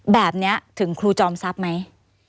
แบบนี้ถึงครูจอมทรัพย์ไหม